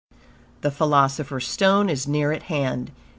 The philosopher's stone is near at hand.